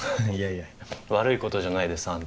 いやいや悪いことじゃないです